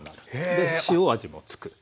で塩味もつく。